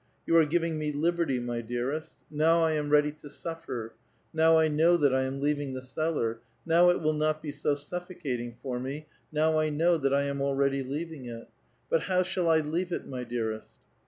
You are giving me liberty, my dearest. Now I am ready to suf fer, now I know that 1 am leaving the cellar ; now it will not be so suffocating for me, now I know that I am already leaving it; but how shall I leave it, my dearest?"